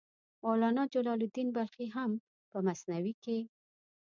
مولانا جلال الدین بلخي هم په مثنوي کې.